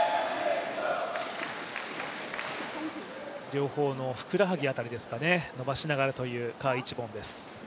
両方のふくらはぎ伸ばしながらという賈一凡です。